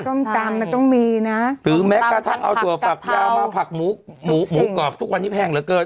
ส้มตำมันต้องมีนะหรือแม้กระทั่งเอาถั่วฝักยาวมาผักหมูหมูกรอบทุกวันนี้แพงเหลือเกิน